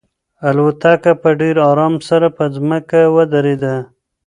الوتکه په ډېر ارام سره په ځمکه ودرېده.